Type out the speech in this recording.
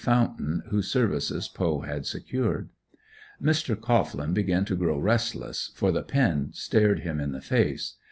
Fountain whose services Poe had secured. Mr. Cohglin began to grow restless, for the "Pen" stared him in the face.